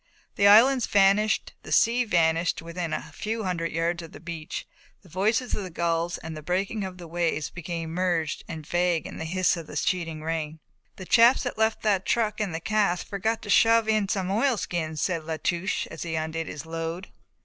The islands vanished, the sea vanished to within a few hundred yards of the beach, the voices of the gulls and the breaking of the waves became merged and vague in the hiss of the sheeting rain. "The chaps that left the truck in that cask forgot to shove in some oilskins," said La Touche as he undid his load.